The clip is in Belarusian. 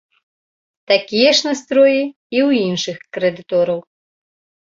Такія ж настроі і ў іншых крэдытораў.